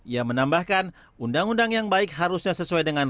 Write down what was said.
ia menambahkan undang undang yang baik harusnya sesuai dengan